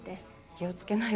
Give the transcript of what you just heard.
気をつけなよ。